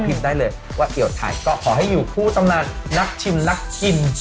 พิมพ์ได้เลยว่าเอวไทยก็ขอให้อยู่คู่ตำนานนักชิมนักกิน